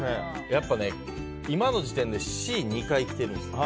やっぱね、今の時点でＣ２回きてるんですよ。